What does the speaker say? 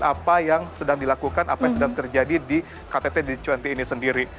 apa yang sedang dilakukan apa yang sedang terjadi di ktt g dua puluh ini sendiri